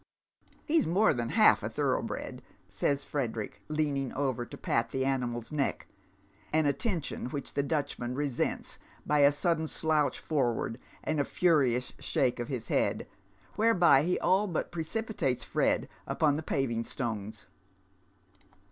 " He's more than half thoroughbred," says Frederick, leaning over to pat the animal's neck — an attention which the Dutchman resents by a sudden slouch forward, and a furious shake of his Lead, whereby he all but precipitates Fred upon the paving stones.